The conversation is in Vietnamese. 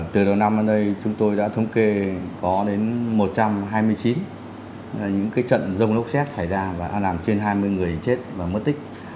từ đầu năm đến nay chúng tôi đã thống kê có đến một trăm hai mươi chín những trận rông lốc xét xảy ra và đã làm trên hai mươi người chết và mất tích